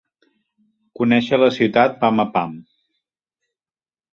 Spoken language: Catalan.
Conèixer la ciutat pam a pam.